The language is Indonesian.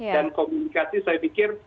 dan komunikasi saya pikir